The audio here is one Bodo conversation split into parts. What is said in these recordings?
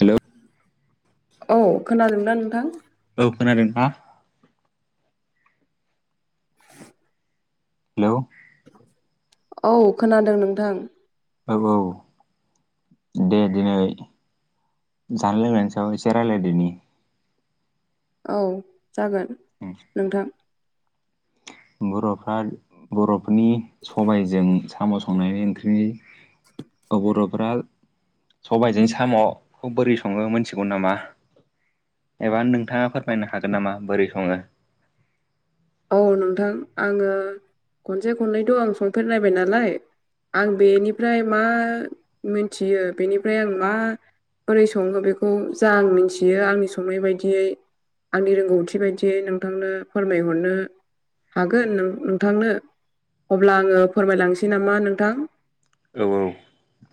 हेलौ औ खोनादोंना नोंथां औ खोनादों ना? हेलौ औ खोनादों नोंथां [unintelligible] दे दिनै जानाय लोंनायनि सायाव एसे रायलायदिनि औ जागोन नोंथां बर'फ्रा बर'फोरनि सबायजों साम' संनायनि ओंख्रिनि ओ बर'फोरा सबायजों साम'खौ बोरै सङो मोनथिगौ नामा? एबा नोंथाङा फोरमायनो हागोन नामा बोरै सङो? औ नोंथां आङो खनसे खननैथ' आं संफेरनायबाय नालाय आं बेनिफ्राय मा मिनथियो बेनिफ्राय आं मा बोरै सङो बेखौ जा आं मिन्थियो आंनि संनाय बायदियै आंनि रोंगौथि बायदियै नोंथांनो फोरमाय हरनो हागोन नों-नोंथांनो अब्ला आङो फोरमायलांसै नामा नोंथां? औ औ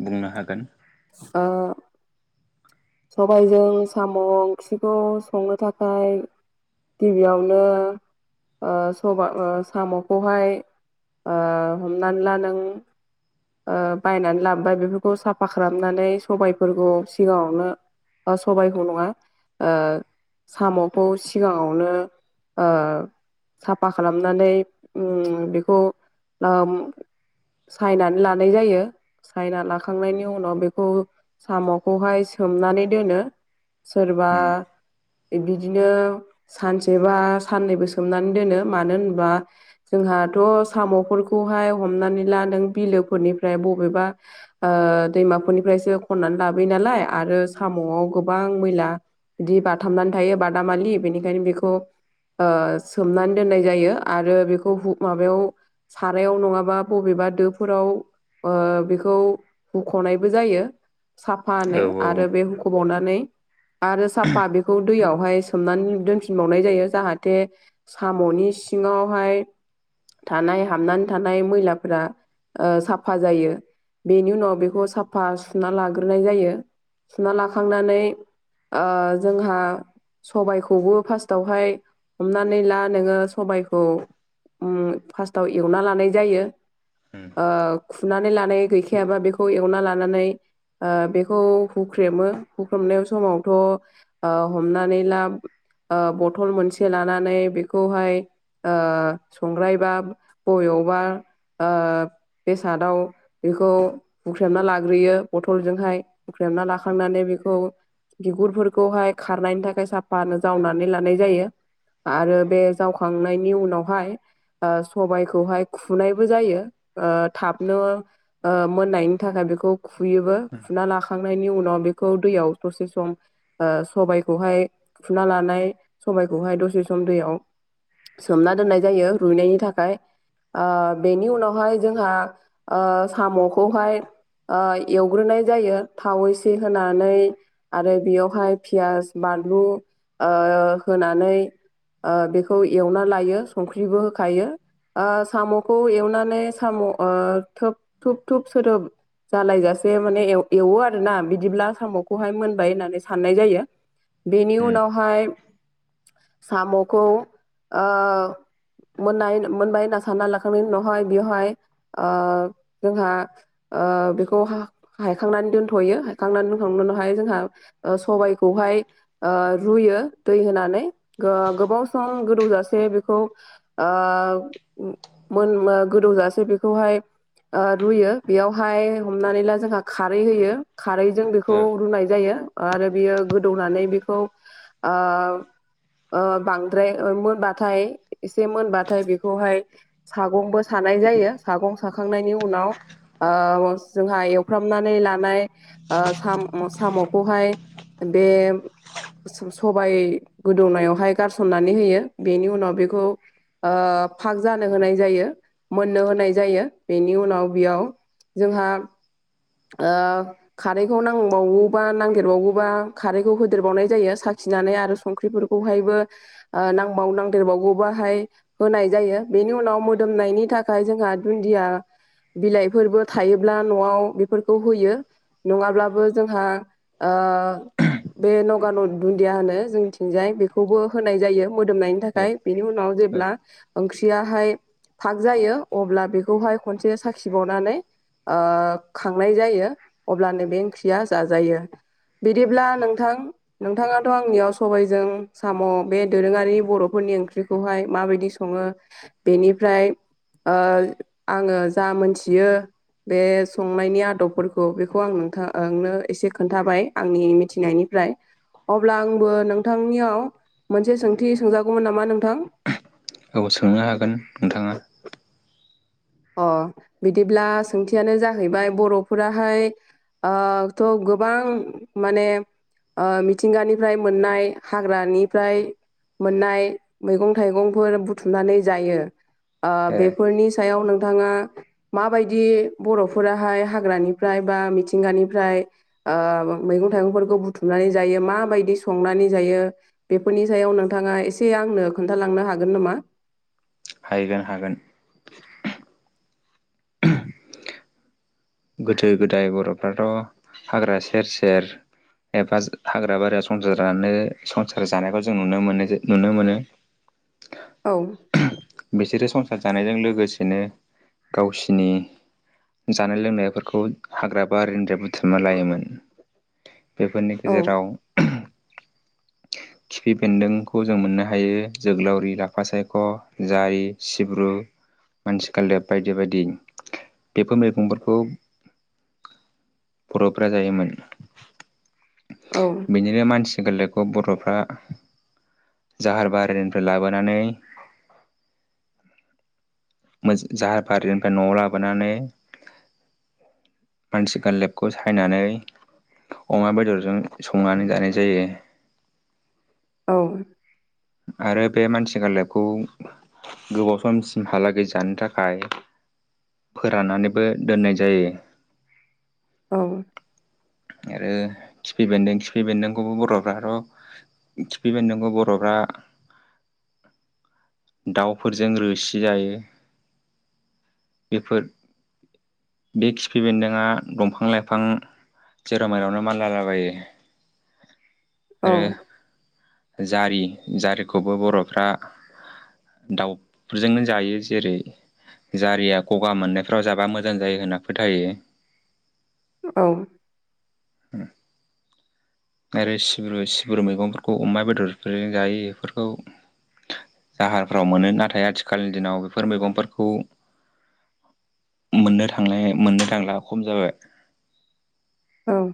बुंनो हागोन ओ सबायजों साम' ओंख्रिखौ संनो थाखाय गिबियावनो ओ सबा ओ साम'खौहाय ओ हमनानै ला नों ओ बायनानै लाबोबाय बेफोरखौ साफा खालामनानै सबायफोरखौ सिगाङावनो ओ सबायाइखौ नङा ओ साम'खौ सिगाङावनो ओ साफा खालामनानै उम बेखौ ओम सायनानै लानाय जायो। सायना लाखांनायनि उनाव बेखौ साम'खौहाय सोमनानै दोनो सोरबा उम बिदिनो सानसे बा साननैबो सोमनानै दोनो मानो होनबा जोंहाथ' साम'फोरखौहाय हमनानै ला नों बिलोफोरनिफ्राय बबेबा ओ दैमाफोरनिफ्रायसो खननानै लाबोयो नालाय आरो साम'आव गोबां मैला बिदि बाथाबनानै थायो बादामालि बेनिखायनो बेखौ ओ सोमनानै दोननाय जायो आरो बेखौ हु माबायाव सारायाव नङाबा बबेबा दोफोराव ओ बेखौ हुख'नायबो जायो औ साफानो। औ आरो बे हुंख'बावनानै आरो साफा बेखौ दैयावहाय सोमनानै दोनफिनबावनाय जायो जाहाथे साम'नि सिङावहाय थानाय हाबनानै थानाय मैलाफोरा ओ साफा जायो बेनि उनाव बेखौ साफा सुना लाग्रोनाय जायो। सुना लाखांनानै ओ जोंहा सबायखौबो फार्स्टावहाय हमनानै ला नोङो सबायखौ उम फार्स्टाव एवना लानाय जायो। उम ओ खुनानै लानाय गैखायाबा बेखौ एवना लानानै बेखौ हुख्रेमो हुख्रेमनायाव समावथ' अ हमनानै ला ओ बथल मोनसे लानानै बेखौहाय ओ संग्रायबा बबेयावबा ओ बेसादाव बेखौ बुख्रेमना लाग्रोयो बथलजोंहाय ख्रेमना लाखांनानै बेखौ बिगुरफोरखौहाय खारनायनि थाखाय साफानो जावनानै लानाय जायो। आरो बे जावखांनायनि उनावहाय ओ सबायाइखौहाय खुनायबो जायो ओ थाबनो ओ मोननायनि थाखाय बेखौ खुयोबो फुना लाखा खांनायनि उनाव बेखौ दैयाव ससे सम ओ सबायखौहाय खुना लानाय सबाइखौहाय दसे सम दैयाव सोमना दोननाय जायो रुइनायनि थाखाय। ओ बेनि उनावहाय जोंहा ओ साम'खौहाय ओ एवग्रोनाय जायो। थाव एसे होनानै आरो बेयावहाय पियास बानलु ओ होनानै ओ बेखौ एवना लायो संख्रिबो होखायो। ओ साम'खौ एवनानै साम' ओ थोब थुब थुब सोदोब जालायजासे माने एव एवो आरोना बिदिब्ला साम'खौहाय मोनबाय होननानै साननाय जायो। बेनि उम उनावहाय साम'खौ ओ मोननाय मोनबाय होनना सानना लाखांनायनि उनावहाय बेवहाय जोंहा ओ बेखौ हा खांनानै दोनथ'यो हाइखांनानै दोनखांनायनि उनावहाय जोंहा सबायखौहाय ओ रुयो दै होनानै गोबाव सम गोदौजासे बेखौ ओ मोन मो गोदौजासे बेखौहाय ओ रुयो बेयावहाय हमनानै ला जोंहा खारै होयो खारैजों बेखौ ओ रुनाय जायो आरो बियो गोदौनानै बिखौ आ ओ बांद्राय मोनबाथाय एसे मोनबाथाय बेखौहाय सागंबो सानाय जायो सागं साखांनायनि उनाव आयस जोंहा एव फ्रामनानै लानाय आ साम' साम'खौहाय बे सबाय गोदौनायावहाय गारसननानै होयो बेनि उनाव बेखौ ओ फाग जानो होनाय जायो मोननो होनाय जायो बेनि उनाव बियाव जोंहा ओ खारैखौ नांबावोबा नांदेरबावोबा खारैखौ होदेरबावनाय जायो साखिनानै आरो संख्रिफोर खौहायबो आ नांबाव नांदेरबावगौ बाहाय होनाय जायो बिनि उनाव मोदोमनायनि थाखाय जोंहा दुन्दिया बिलाइफोरबो थायोब्ला न'आव फोरखौ होयो नङाब्लाबो जोंहा ओ बे नगा न दुन्दिया होनो जोंथिंजाय बेखौबो होनाय जायो मोदोमनायनि ओ थाखाय बिनि उनाव औ जेब्ला ओंख्रियाहाय फाग जायो अब्ला बेखौहाय खनसे साखिबावनानै ओ खांनाय जायो अब्लानो बे ओंख्रिया जाजायो बिदिब्ला नोंथां नोंथाङाथ' आंनियाव सबायजों साम' बे दोरोङारि बर'फोरनि ओंख्रि खौहाय माबायदि सङो बेनिफ्राय ओ आङो जा मोनथियो बे संनायनि आदबफोरखौ बेखौ आं नोंथा ओंनो एसे खोन्थाबाय आंनि मिथिनायनिफ्राय अब्ला आंबो नोंथांनियाव मोनसे सोंथि सोंजागौमोन नामा नोंथां औ सोंनो हागोन नोंथाङा अ बिदिब्ला सोंथियानो जाहैबाय बर'फोराहाय आ थ' गोबां माने ओ मिथिंगानिफ्राय मोननाय हाग्रानिफ्राय मोननाय मैगं थाइगंफोर बुथुमनानै जायो आ ए बेफोरनि सायाव नोंथाङा माबायदि बर'फोराहाय हाग्रानिफ्राय बा मिथिंगानिफ्राय ओ मैगं थाइगंफोरखौ बुथुमनानै जायो माबायदि संनानै जायो बेफोरनि सायाव नोंथाङा एसे आंनो खोन्थालांनो हागोन नामा? हायगोन हागोन [unintelligible] गोदो गोदाय बर'फ्राथ' हाग्रा सेर सेर एबा हाग्रा बारियाव संसार जानो संसार जानायखौ जों नुनो मोनो जे नुनो मोनो औ [unintelligible] बिसोरो संसार जानायजों लोगोसेनो गावसिनि [unintelligible] लोंनायफोरखौ हाग्रा बारिनिफ्राय बुथुमना लायोमोन। बेफोरनि औ गेजेराव [unintelligible] [inaudible] खिफि बेेन्दोंखौ जों मोननो हायो जोगलावरि लाफा सायख' जारि सिब्रु मानसि खालेब बायदि बायदि बेफोर मैगंफोर बर'फ्रा जायोमोन। औ बिनिफाय मानसि गोरलैखौ बर'फ्रा जाहार बारिनिफ्राय लाबोनानै मोज जाहार फारिनिफाय न'आव लाबोनानै माथि गालदेबखौ सायनानै अमा बेदरजों संनानै जानाय जायो। औ आरो बे मानसि गालदेबखौ गोबाव समसिमहालागै जानो थाखाय फोराननानैबो दोननाय जायो। औ आरो खिफि बेन्दों खिफि बेन्दोंखौबो बर'फ्राथ' खिफि बेनदोंखौ बर'फ्रा दाउफोरजों रोसि जायो। बेफोर बे खिफि बेन्दोंआ दंफां लाइफां जेराव मेरावनो मानलालाबायो। [inaudible] आरो जारि जारिखौबो बर'फ्रा दाउफोरजोंनो जायो जेरै जारिया गगा मोननायफ्राव जाबा मोजां जायो होनना फोथायो। औ उम [inaudible] आरो सिब्रु सिब्रु मैगंफोरखौ अमा बेदरफोरजों जायो बेफोरखौ जाहारफ्राव मोनो। नाथाय आथिखालनि दिनाव बेफोर मैगंफोरखौ मोननो थांनो मोननो थांला खम जाबाय। ओं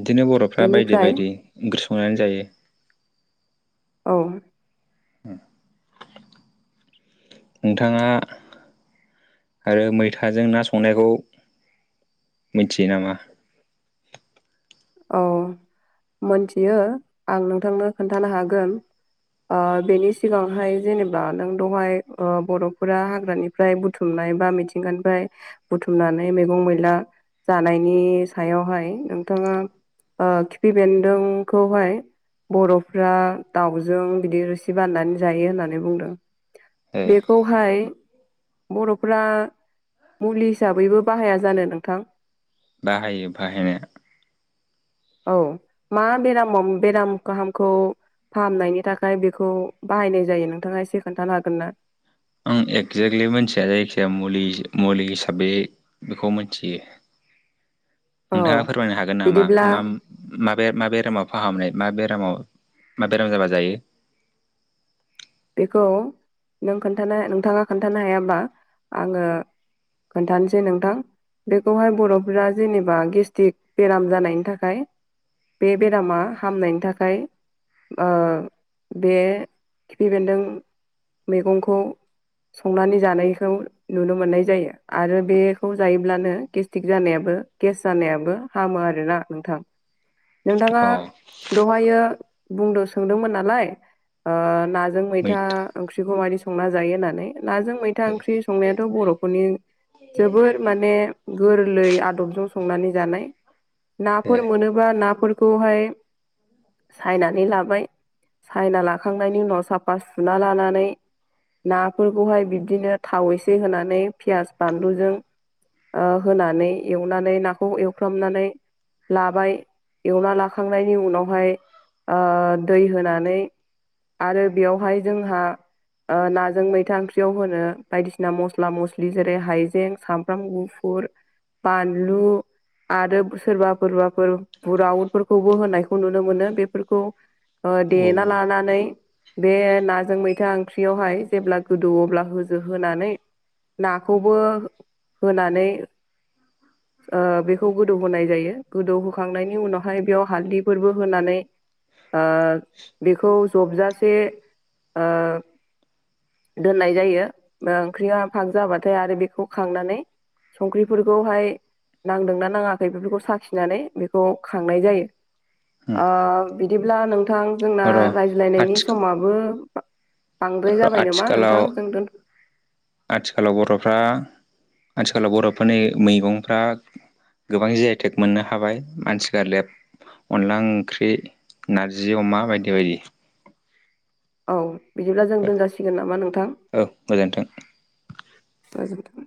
इदिनो बर'फ्रा बायदि बेनिफ्राय बायदि ओंख्रि संनानै जायो। औ नोंथाङा आरो मैथाजों ना संनायखौ मिथियो नामा? औ मोनथियो आं नोंथांनो खोन्थानो हागोन। ओ बेनि सिगांहाय जेनेबा नों दहाय ओ बर'फोरा हाग्रानि फ्राय बुथुमनाय बा मिथिंगानिफ्राय बुथुमनानै मैगं मैला जानायनि सायावहाय नोंथाङा ओ खिफि बेन्दोंखौहाय बर'फ्रा दाउजों बिदि रोसि बाननानै जायो होननानै बुंदों। ओ बेखौ हाय बर'फोरा मुलि हिसाबैबो बाहाया जानो नोंथां? बाहायो बाहायनाया। औ मा बेरामाव बेराम गाहामखौ फाहामनायनि थाखाय बेखौ बाहायनाय जायो नोंथाङा एसे खोन्थानो हागोनना? आं एगजेक्टलि मोनथिया जायखिजाया मुलि मुलि हिसाबै बेखौ मोनथियो। [inaudible] नोंथाङा फोरमायनो हागोन नामा बिदिब्ला मा माबे-माबे बेरामाव फाहामनाय मा बेरामाव मा बेराम जाबा जायो? बेखौ नों खोन्थानो नोंथाङा खोन्थानो हायाब्ला आङो खोन्थानोसै नोंथां। बेखौहाय बर'फोरा जेनेबा गेस्टिक बेराम जानायनि थाखाय बे बेरामा हामनायनि थाखाय, ओ बे खिफि बेन्दों मैगंखौ संनानै जानायखौ नुनो मोननाय जायो। आरो बेखौ जायोब्लानो गेस्टिक जानायाबो गेस जानायाबो हामो आरोना नोंथां। नोंथाङा अ दहायो बुंदो सोंदोंमोन नालाय नाजों मैथा ओंख्रिखौ मायदि संना जायो होननानै नाजों मैथा ए ओंख्रि संनायाथ' बर'फोरनि जोबोर माने गोरलै आदबजों संनानै जानाय। ए नाफोर मोनोबा नाफोरखौहाय, सायनानै लाबाय, सायना लाखांनायनि उनाव साफा सुना लानानै, नाफोरखौहाय बिबदिनो थाव एसे होनानै पियास बानलुजों, ओ होनानै, एवनानै, नाखौ एवफ्रामनानै, लाबाय, एवना लाखांनायनि उनावहाय ओ दै होनानै, आरो बेयावहाय जोंहा, ओ नाजों मैथा ओंख्रियाव होनो बायदिसिना मस्ला-मस्लि जेरै- हाइजें, सामब्राम गुफु- गुफुर, बानलु, आरो सोरबा-सोरबाफोर बुराउतफोरखौबो होनायखौ नुनो मोनो। बेफोरखौ औ देना लानानै, बे नाजों मैथा ओंख्रियावहाय जेब्ला गोदौ अब्ला होनानै, नाखौबो होनानै, ओ बेखौ गोदौ होनोनाय जायो। गोदौहोखांनायनि उनावहाय बेयाव हालदैफोरबो होनानै, ओ बेखौ जबजासे ओ दोननाय जायो‌ ओ ओंख्रिया फाग जाबाथाय आरो बेखौ खांनानै, संख्रिफोरखौहाय, नांदोंना नाङाखै बेफोरखौ साखिनानै बेखौ खांनाय जायो। ओ बिदिब्ला नोंथां जोंना औ र' रायज्लायनायनि आथि समाबो, बांद्राय जाबाय [unintelligible] नामा नोंथां आथिखालाव, जों दोन आथिखालाव बर'फोरा आथिखालाव बर'फोरनि मैगंफ्रा, गोबां जे आइटेक मोननो हाबाय। मानसिफ्रा लेब अनला ओंख्रि, नारजि अमा बायदि बायदि। औ बिदिब्ला जों दोनजासिगोन नामा नोंथां औ गोजोन्थों गोजोन थों।